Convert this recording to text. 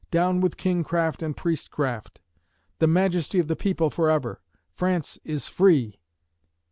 Down with kingcraft and priestcraft! The majesty of the people forever! France is free!"